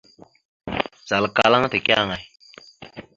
Zal akkal aŋa teke aŋay ?